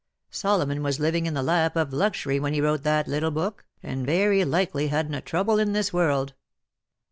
Solomon was living in the lap of luxury when he wrote that little book, and very likely hadn^t a trouble in this world.